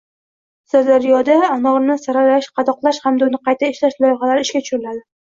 Sirdaryoda anorni saralash, qadoqlash hamda uni qayta ishlash loyihalari ishga tushiriladi